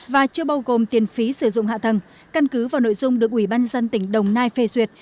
và chưa bao gồm tiền phí sử dụng hạ thần căn cứ vào nội dung được ủy ban dân tỉnh đồng nai phê duyệt